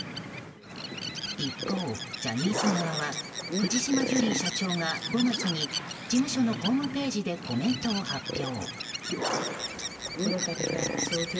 一方、ジャニーズ側は藤島ジュリー社長が５月に事務所のホームページでコメントを発表。